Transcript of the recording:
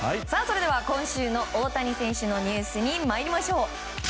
それでは今週の大谷選手のニュースに参りましょう。